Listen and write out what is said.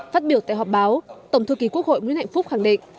phát biểu tại họp báo tổng thư ký quốc hội nguyễn hạnh phúc khẳng định